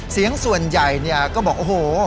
เสียงส่วนใหญ่เนี่ยก็บอกโอ้โห